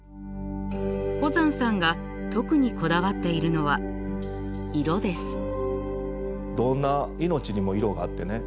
保山さんが特にこだわっているのはどんな命にも色があってね。